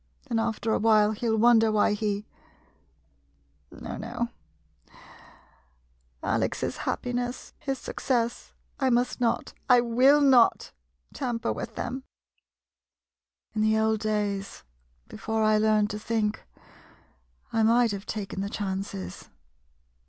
Then after a while he '11 wonder why he — No — no — Alex's happiness — his success — I must not — I will not tamper with them. In the old days, before I learned to think, I might have taken the chances.